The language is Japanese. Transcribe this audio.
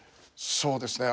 そうですね。